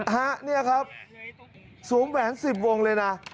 ฮะเนี่ยครับสวมแหวน๑๐วงเลยนะ